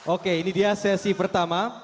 oke ini dia sesi pertama